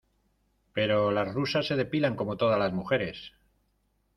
pero las rusas se depilan como todas las mujeres.